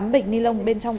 tám bệnh ni lông bên trong